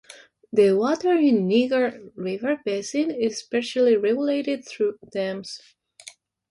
The water in the Niger River basin is partially regulated through dams.